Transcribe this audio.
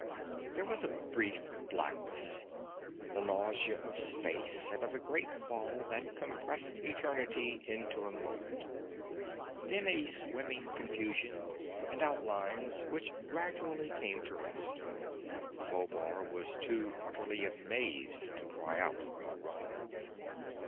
There was a brief blackness, the nausea of space and of a great fall that compressed eternity into a moment. Then a swimming confusion, and outlines which gradually came to rest. Phobar was too utterly amazed to cry out or run.